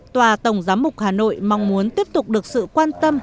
tòa tổng giám mục hà nội mong muốn tiếp tục được sự quan tâm